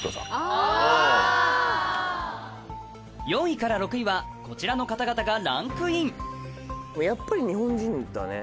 ４位から６位はこちらの方々がランクインやっぱり日本人だね。